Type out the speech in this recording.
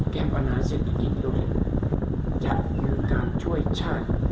แก้ประณาเสร็จอีกด้วยจัดมือการช่วยชาติ